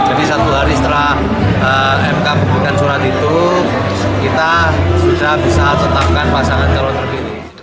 jadi satu hari setelah mkm memberikan surat itu kita sudah bisa tetapkan pasangan calon terpilih